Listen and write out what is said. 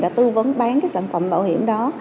đã tư vấn bán cái sản phẩm bảo hiểm đó